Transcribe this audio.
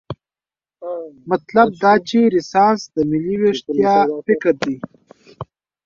مطلب دا چې رنسانس د ملي ویښتیا فکر دی.